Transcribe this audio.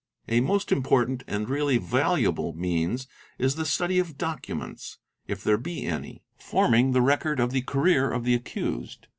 A most important and really valuable means is the study of docu — ments, if there be any, forming the record of the career of the accused.